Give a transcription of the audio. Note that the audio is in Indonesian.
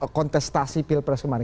dalam kontestasi pilpres kemarin